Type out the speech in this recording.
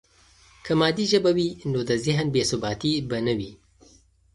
که مادي ژبه وي، نو د ذهن بې ثباتي به نه وي.